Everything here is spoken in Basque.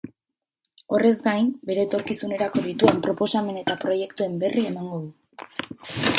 Horrez gain, bere etorkizunerako dituen proposamen eta proiektuen berri emango du.